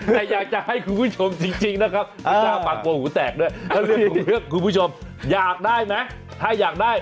แต่อยากจะให้คุณผู้ชมจริงนะคะ